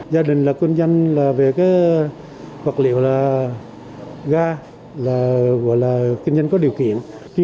gia đình là kinh doanh về vật liệu ga là kinh doanh có điều kiện